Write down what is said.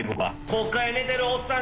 国会で寝てるおっさん